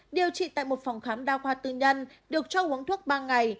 điều trị tại một phòng khám đa khoa tư nhân được cho uống thuốc ba ngày